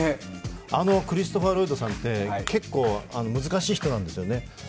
あのクリストファー・ロイドさんって結構、難しい人なんですよね。